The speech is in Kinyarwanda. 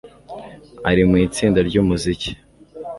Ari mu itsinda ryumuziki